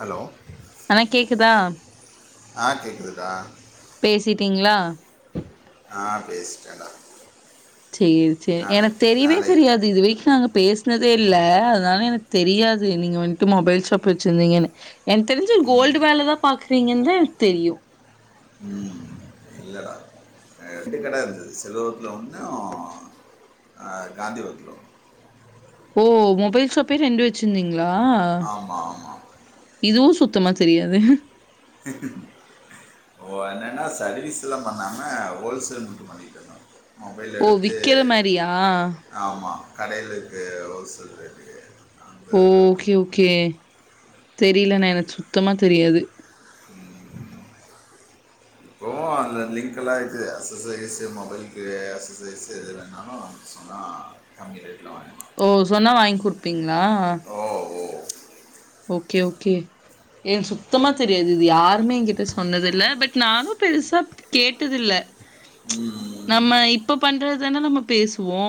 Hello அனா கேக்குதா ஆ கேக்குதுதா பேசிட்டீங்ளா ஆ பேசிட்டேண்டா சேரி சே எனக் தெரியவே நாளை தெரியாது இது வரிக்கு நாங்க பேஸ் குனதே இல்ல அத்னால எனக் தெரியாது நீங்க வந்ட்டு மொபைல் வெச்சிருந்தீங்கனு எனக் தெரிஞ்சி கோல்டு வேல தா பாக்றீங்கன்தா எனக் தெரியு ம் இல்லடா அ ரெண்டு கட இருந்துது சிலுவத்துல ஒன்னு ஒ காந்திபொர்த்துல ஒன் ஓ மொபைல் ஷாப்பே ரெண்டு வெச்சிந்தீங்ளா ஆமாம் ஆமாம் இதுவு சுத்தமா தெரியாது தே ஓ என்னன்னா சர்வீஸ்ல்லா பண்ணாம ஓல்சேல் மட்டு பண்ணிகிட்ருந்தோ மொபைல் ஓ எடுத்து விக்கிற மாரியா ஆமாம் கடைளுக்கு ஹோல் செல் ரெட்டி ஓகே உக்கே தெரிய்லணா எனக் சுத்தமா தெரியாது ம் ம் போ அதுல லிங்க்கல்லா இது அஸ்ஸுசரிஸு மொபைல்க்கு அஸ்ஸசரிஸு எது வேண்ணாலு சொன்னாகம்மி ரேட்ல வாங்கிலா ஓ சொன்னா வாங் குடுப்பிங்ளா ஒ ஹோ ஓகே உக்கே ஏன் சுத்தமா தெரியாது இது யாருமே என்கிட்ட சொன்னதுல்ல பெட் நானு பெருசா கேட்டுதுல்ல ம் நம்ம இப்ப பண்றது தான நம்ம பேசுவோ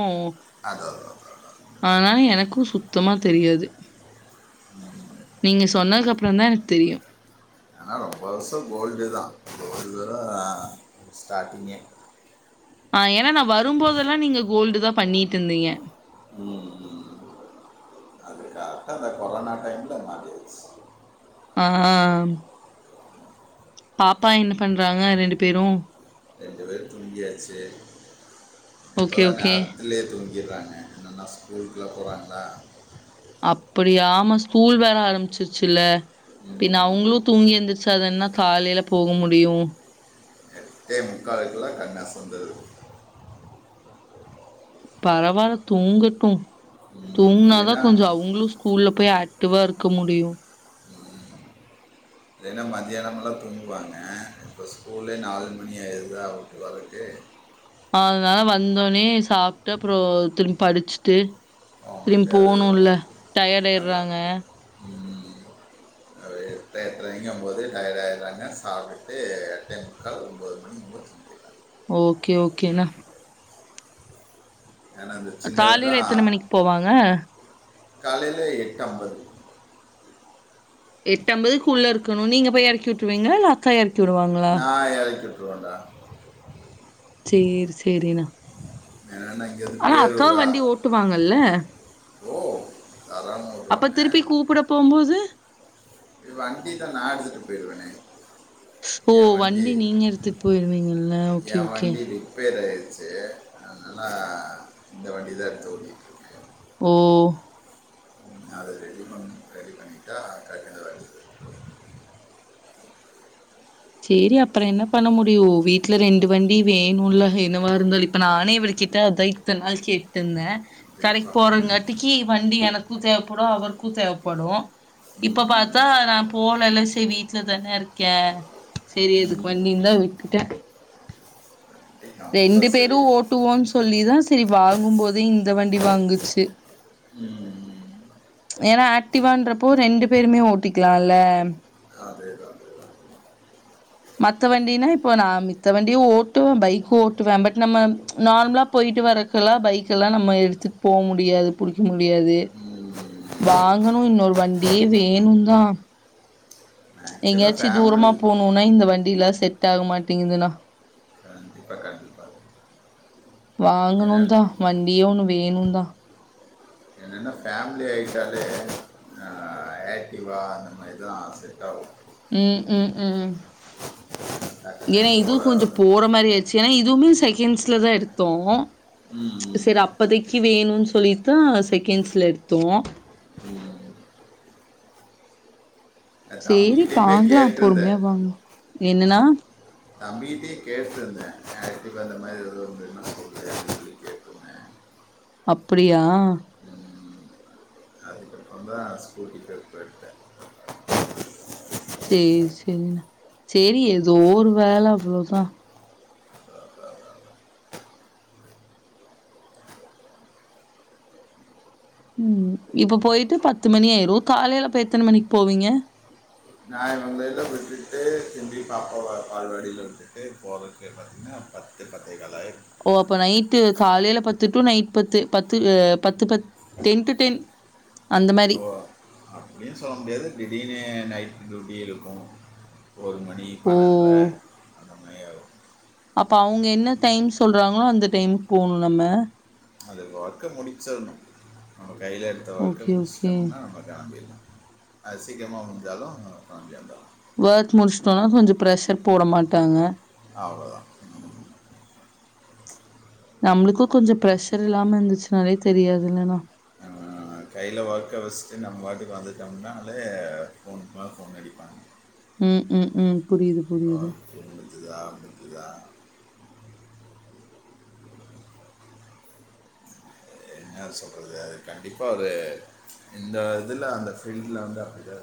அதோ அதனால எனக்கு சுத்தமா தெரியாது நீங்க சொன்னதுக் அப்றந்தா எனக் தெரியு பர்ச கோல்டேதா கோல்டுதா அ ஸ்டாட்டிங்கே அ ஏனா நா வரும்போதல்லா நீங்க கோல்டுதா பண்ணீட்டுந்தீங்க ம் அது கார்ட்டா அந்த கொரோனா டைம்ல மாட்டிருச் அ ஹ அ பாப்பா என்ன பண்றாங்க ரெண்டு பேரு ரெண்டு பேரு தூங்கியாச்சு ஓகே இப்பதா நேர ஓகே. வில்லே தூங்கிற்றாங்க என்னன்னா ஸ்கூல்க்குள்ளா போறாங்ளா அப்புடியா ஆமா ஸ்கூல் வேற ஆரம்ச்சிர்ச்சில்ல பின்ன ம், அவுங்ளு தூங்கி எந்துர்ச்சா தன்ன காலைல போக முடியு முக்காலுக்குலா கண் அசந்துது பரவால்ல தூங்கட்டு ம், தூங்னாதா இல்லைன்னா கொஞ்ச அவுங்ளு ஸ்கூல்ல போய் ஆக்டிவா இருக்க முடியும் இல்லைனா மத்தியானமெல்லாம் தூங்குவாங்க இப்போ ஸ்கூல்லே நாலு மணி ஆயிருதா வீட்டுக்கு வரதுக்கு அதனால வந்தோனே சாப்ட்டு அப்புறம் திரும்பி படிச்சுட்டு திரும்பி அவங்களுக்கு அதுதான் போணும்ல்ல டயர்ட் அதான் ஆய்டுறாங்க எட்ரைக்கே ம் போது டயர்டு ஆயிடுராங்க சாப்ட்டு எட்டே முக்கால் ஒம்போது மணி முடிச்சுருக்காங்க ஓகே ஓகே ஏன்னா அந்த சின்னது காலையில எத்தன மணிக்கு போவாங்க காலையில எட்டுஅம்பது எட்டுஅம்பது உள்ள இருக்கணும் நீங்க போய் எறக்கி விட்ருவீங்களா இல்ல அக்கா எறக்கிவிடுவாங்க நான் எறக்கி விட்ரு வேண்டா சேர் சேரிங்க என்னென்னா இங்கேருந்து ஆனா அக்கா பேரூரா வண்டி ஓட்டுவாங்கல்ல ஓ தாராளமா அப்போ திருப்பிகூப்புட போம் போது வண்டி தான் நான் எடுத்திட்டு போயிடுவேன் ஓ வண்டி நீங்க எடுத்துட்டு போய்ருவீங்கல ஓகே என் ஓகே வண்டி ரிப்பேர் ஆகிடுச்சு அதனால இந்த வண்டி தான் எடுத்து ஓட்டிட்டு ஓ ஓ நான் அத ரெடி பண்ண ரெடி பண்ணிடா கண்ணு நல்லா சேரி அப்பறம் என்ன பண்ண முடியும் வீட்டுல ரெண்டு வண்டி வேணும்ல என்னவா இருந்தாலும் இப்ப நானே இவரு கிட்ட அதான் இத்தனா நாள் கேட்டிருந்தேன் கடைக்கி இருக்கும் போறங்காட்டிக்கி வண்டி எனக்கும் தேவைப்படும் அவருக்கும் தேவைப்படும் இப்ப பாத்தா நான் போலல்ல செரி வீட்டுல தானே இருக்கேன் செரி எதுக்கு வண்டினு தான் விட்டுட்டேன் ரெண்டு பேரும் ஓட்டுவோம்னு சொல்லிதான் செரி வாங்கும் போதே இந்த வண்டி வாங்குச்சு ம் ம் ஏன்னா ஆக்டிவான்றப்போ ரெண்டு பேருமே ஓட்டிக்கலாம்ல்ல அதே தான் ப்ரோ மத்த வண்டினா இப்போ நான் மித்த வண்டியும் ஓட்டுவேன் பைக்கும் ஓட்டுவேன் பட் நம்ம நார்மலா போய்ட்டு வரக்கெல்லாம் பைக் எல்லா நம்ம எடுத்துட்டுபோ முடியாது புடிக்க முடியாது வாங்கணும் இன்னொரு வண்டி வேணும் தான் மேக்ஸிமம் எங்கயாச்சும் தூரமா ஃபேமிலி போணும்னா இந்த வண்டில்லாம் செட் ஆக மாட்டேங்குதுன்னா கண்டிப்பா கண்டிப்பா வாங்கனும் தான் வண்டியும் ஒன்னு வேணும்தான் என்னென்ன ஃபேமிலியா கிட்ட கேட்டாலே கண்டிப்பா நம்ம ஆசை இதான் ம் ம் ம் டக்குன்னு ஏன்னா இதுவும் போகிற கொஞ்சம் போற மாரி ஆச்சு ஏன்னா இதுவுமே செகண்ட்ஸ்ல தான் எடுத்தோம் செரி அப்பதைக்கு வேணும்ன்னு சொல்லிதான் செகண்ட்ஸ்ல எடுத்தோம் என் சேரி தம்பிக்கிட்டையுமே பாக்கலாம் கேட்டிருந்தேன் பொறுமையா வாங்கலாம் என்னன்னா தம்பிகிட்டயே கேட்டிருந்தேன் ஆக்டிவா அந்த மாரி எதுவும் வந்துன்னா சொல்லு அப் அப்டியா அவன் ஒன்னுமே பண்ணல இப்பதான் ஸ்கூட்டி பெப் எடுத்தேன் சேரி சேரினா சேரி ஏதோ ஒரு வேல அவ்ளவுதா ம் இப்போ போய்ட்டு பத்து மணி ஆயிரு காலையில அப்ப எத்தன மணிக்கு போவீங்க [inaudible] உங்க இதுல விட்டுட்டு திரும்பி பாப்பா பால்வாடியில விட்டுட்டு போறதுக்கு பாத்திங்கனா பத் த்து பத்தேகால் ஆயிறு ஓ அப்ப நைட்டு காலையில பத்து டு நைட் பத்து பத்து ஆ பத்து பத் டென் டு டென் அந்த மாரி போ அப்படின்னு சொல்ல முடியாது திடீர்னு நைட் டியூட்டி இருக்கு ஒரு மணி ஓ பன்னென்ற அந்த மாரிகு அப்ப அவங்க என்ன டைம் சொல்றாங்களோ அந்த டைம்க்கு போகணு நம்ம அது ஒர்க்க முடிச்சிடணு நம்ம கையில இருக் சில ஓகே ஒர்க்கர் ஓகே முடிச்சுட்டாங்கனா மத்தியான போயிடுவோ அது சீக்கிரமா அவங்க முடிஞ்சாலு [unintelligible] வொர்க் முடிச்சுட்டோம்னா கொஞ்சோ ப்ரெஷர் போட மாட்டாங்க அவ்ளோத ம் நம்மளுக்கு கொஞ்சோ ப்ரஷர் இல்லாம இருந்துச்சுனாலே தெரியாதுல்லனா கையில ஒர்க்க வச்சுட்டு நாம் பாட்டுக்கு வந்துட்டோம்னாலே ஃபோனுக்கு மேல ஃபோன் அடிப்பாங்க ம் ம் ம் புரியுது புரியுது. [unintelligible] எ ன்னா சொல்றது அது கண்டிப்பாக ஒரு இந்த இதில அந்த ஃபீல்டில வந்து அப்டிதா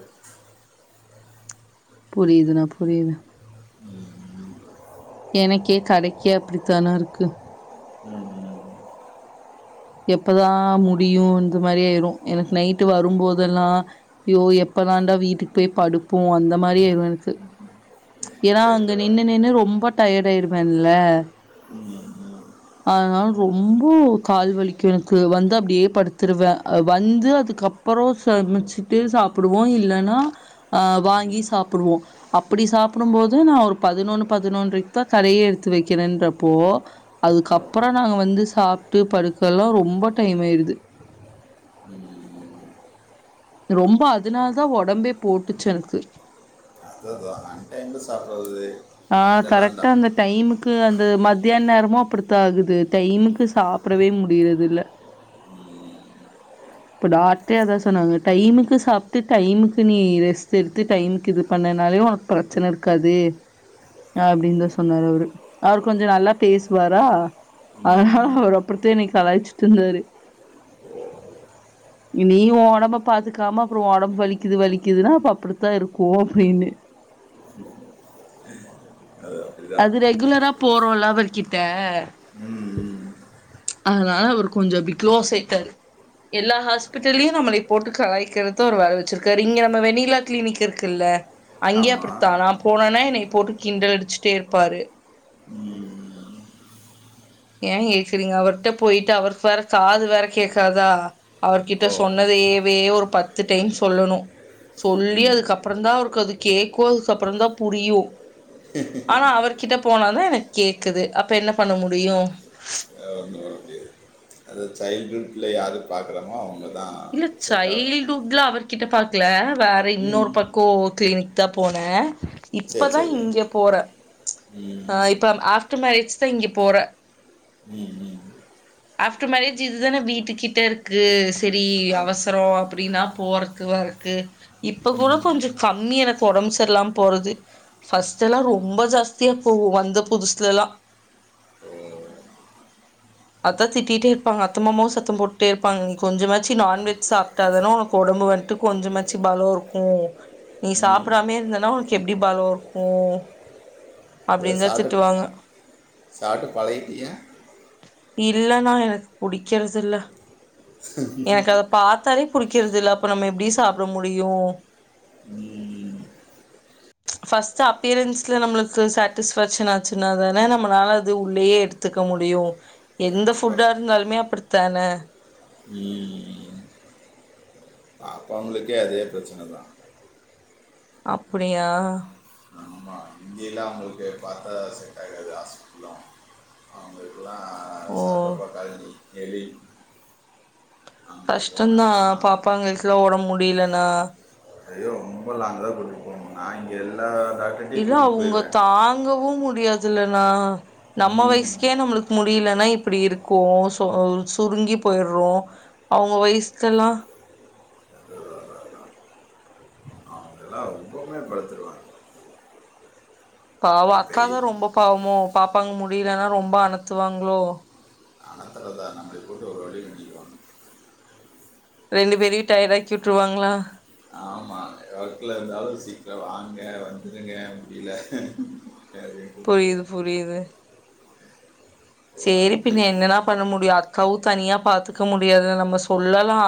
புரியுதுனா புரிது ம் எனக்கே கடைக்கே அப்படித்தானா இருக்கு ம் ம் எப்பதா முடியு இந்த மாரி ஆயிடு எனக்கு நைட்டு வரும்போதெல்லா யோ எப்ப தாண்டா வீட்டுக்கு போய் படுப்போ அந்த மாரி ஆயிடு எனக்கு ஏன்னா அங்க ஏற்றுவா. நின்னு நின்னு ரொம்ப டயர்ட் ஆயிருப்பேன்ல ம், ம், ம், அதனால ரொம்ப கால்வலி கு எனக்கு வந்து அப்படியே படுத்துருவே வந்து அதுக்குப்புறம் சமைச்சிட் டு சாப்பிடுவோ இல்லன்னா அ வாங்கி சாப்பிடுவோ அப்படி சாப்பிடும் போது நா ஒரு பதினொன்னு பதினொன்றக்கு தா கடையே எடுத்து வைக்கிறேன்றப்போ அதுக்கப்புறோ நாங்க வந்து சாப்பிட்டு படுக்க எல்லா ரொம்ப டைம் ஆயிடுது ம். ரொம்ப அதனால தா உடம்பே போட்டுச்சு எனக்கு அதாதா அன் டைம்ல சாப்பட்றது ஆ கரெக்டா அந்த டைமுக்கு அந்த மத்தியான நேரமு அப்படித்த ஆகுது டைமுக்கு சாப்பிடவே முடியறது இல்ல ம் இப்போ டாக்டரோ அதா சொன்னாங்க டைமுக்கு சாப்பிட்டு டைமுக்கு நீ ரெஸ்ட் எடுத்து டைமுக்கு இது பண்ணனாலே உன பிரச்சன இருக்காது அப்டின் தா சொன்னரு அவரு அவரு கொஞ்சோ நல்லா பேசுவாரா அதனால ம், அவர் அப்புடித்த என்னை கலாச்சிட்டு இருந்தாரு நீ உடம்ப பாத்துக்காம அப்புறோ உடம்பு வலிக்குது வலிக்குதுன்னா அப்ப அப்படித்தா இருக்கு அப்படின்னு ஆ [inaudible] அது ரெகுலரா போறோ இல்ல அவர்கிட்ட ம் ம் அதனால அவரு கொஞ்ச இப்டி க்ளோஸ் ஆயிட்டாரு எல்லா ஹாஸ்பிட்டலயையு நம்மளை போட்டு கலாய்க்கிறதா ஒரு வேலை வச்சிருக்காரு இங்க நம்ம வெண்ணிலா கிளினிக் இருக்குல்ல அங்கய ஆமாம் அப்டித்தா நா போனனா என்னை போட்டு கிண்டல் அடிச்சுட்டே இருப்பாரு ஏ கேக்குறீங்க அவர்ட்ட போயிட்டு அவருக்கு வேற காது வேற கேக்காதா அவர்கிட்ட ஓ சொன்னதையவே ஒரு பத்து டைம் சொல்லணு சொல்லி ம் அதுக்கப்புறந்தா அவருக்கு அது கேக்கு அதுக்கப்புறந்தா புரியு ஆனா அவர்கிட்ட போனாதா எனக் கேக்குது அப்ப என்ன பண்ண முடியு அ ஒண்ணு பண்ண முடியாது அத சைல்டுவுட்ல யார பாக்கறோமோ அவங்களு இல்ல சைல்டுவுட்ல அவர்கிட்ட பாக்கல வேற ம் இன்னொரு பக் கோ கிளினிக்தா போன சரி இப்பதா சரி இங்க போற ஆ ம் இப்ப நம் ஆஃப்டர் மேரேஜ் தா இங்க போற ம் ம் ஆஃப்டர் மேரேஜ் இதுதான வீட்டுக்கிட்ட இருக்கு செரி அது அவசர அப்டினா போறக்கு வரக்கு இப்ப கூட ம் கொஞ்ச கம்மி எனக்கு ஒடம்பு சரியிலாம போறது ஃபஸ்டல்லா ரொம்ப ஜாஸ்தியா போகு வந்த புதுசுலல்லா ஓ அத்தா திட்டிட்டே இருப்பாங்க அத்த மாமாவு சத்த போட்டே இருப்பாங்க நீ கொஞ்சமாச்சு நான்வெஜ் சாப்டாதானா உனக்கு ஒடம்பு வன்ட்டு கொஞ்சமாச்சு பலோ இருக்கு நீ ம் சாப்பிடாமே இருந்தன்னா உனக்கு எப்டி பலோ இருக்கு இல்ல அப்டின்தா சாப்டு திட்டுவாங்க சாப்டு பழகிட்டியா இல்லன்னா எனக்கு புடிக்கிறது இல்ல எனக்கு அத பாத்தாலே புடிக்கிறது இல்ல அப்ற நம்ம எப்டி சாப்ட முடியு ம் ஃபஸ்ட் அப்பியரன்ஸ்ல நம்மளுக் கு சட்டிஸ்பக்ஷன் ஆச்சுன்னா தான நம்மளால அது உள்ளயே எடுத்துக்க முடியு எந்த கண்டிப்பாக ஃபுட்டா இருந்தாலுமே அப்டித்தான ம் அவங்களுக்கே அதே பிரச்சன தா அப்படியா இங்கயலா அவங்களுக்கு பாத்தா செட் ஆகாது ஆஸ்பிட்டல்தா அவங்களுக்கெல்லா ஓ சாப்டப்பா காலனி தெரியு கஷ்டந்தா போனால் தான் பாப்பாங்களுக்கெல்லா ஒடம்பு முடியலண்ணா தெரியு அவுங்கள நாங்க தா கூட்டிட்டு போனு நா இங்க இல்லாதாள இல்ல அவுங்க தாங்கவு முடியாதுலனா நம்ம ம் வயசு கே நம்மளுக்கு முடியலன்னா இப்டி இருக்கோ சுருங்கி போய்ட்றோ அவங்க வயசுகெல்லா அவங்கல்லா ரொம்பமே படுத்துடுவாங் பாவ பெரிய அக்காதா ரொம்ப பாவமோ பாப்பாங்க முடியலனா ரொம்ப அனத்துவாங்களோ அனத்துறதா நம்மளை போட்டு ஒரு வழி பண்ணிடுவாங்க ரெண்டு பேரையு டயடாக்கி வுட்ருவாங்களா ஆமா ஒர்க் ல இருந்தாலு சீக்கிர வாங்க வந்துருங்க முடில புரியுது புரியுது இப்போ செரி வந்து பின்ன என்னதா பண்ண முடியுது அக்காவு தனியா பாத்துக்க முடியாது நம்ம சொல்லலா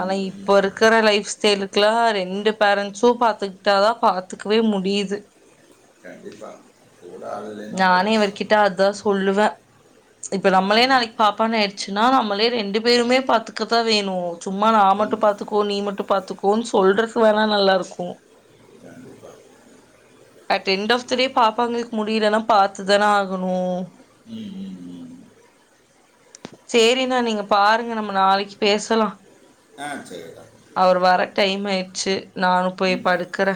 அன இப்ப இருக்கிற லைஃப் ஸ்டைலுக்குல்லா ரெண்டு பேரண்ட்ஸும் பாத்து க்கிட்டா தா பாத்துக்கவே முடியுது கண்டிப்பா போடாதது நானே இவர்கிட்ட அதா சொல்லுவே இப்ப நம்ளே ம், நாளைக்கு பாப்பான்னு ஆயிடுச்சுன்னா நம்ளே ரெண்டு பேருமே பாத்துக்கதா வேணு சும்மா நா மட்டு ம் பாத்துக்கோ நீ மட்டு பாத்துக்கோன்னு சொல்றக்கு வேணா நல்லா இருக்கு கண்டிப்பா at end of the day பாப்பங்களுக்கு முட் ரிருயெல்ல பாத்துதான ஆகணு ம் ம் ம் சேரினா நீங்க பாருங்க நம்ம நாளைக்கு பேசலா ஆ செரிங்க அவர் வர டைம் ஆயிடுச்சு நானு போய் படுக்கற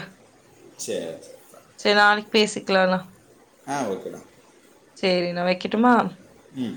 செர் செ செரி நாளைக்கு பேசிக்கலாண்ணா ஆ ஓகேடா செரி நா வெக்கட்டுமா ம்